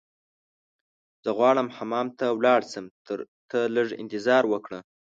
زه غواړم حمام ته ولاړ شم، ته لږ انتظار وکړه.